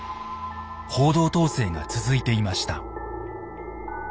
報道統制が続いていました。